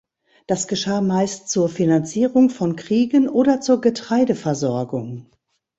Das geschah meist zur Finanzierung von Kriegen oder zur Getreideversorgung.